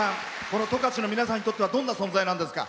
この十勝の皆さんにとってはどんな存在なんですか？